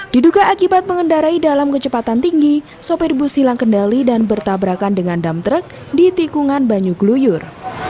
diduga akibat mengendarai dalam kecepatan tinggi sopir bus hilang kendali dan bertabrakan dengan dam truk di tikungan banyugluyur